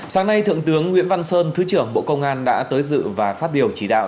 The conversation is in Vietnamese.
sáng nay thượng tướng nguyễn văn sơn thứ trưởng bộ công an đã tới dự và phát biểu chỉ đạo